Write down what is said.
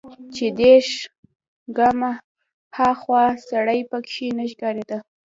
چې دېرش ګامه ها خوا سړى پکښې نه ښکارېده.